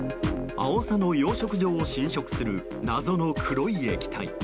アオサの養殖場を侵食する謎の黒い液体。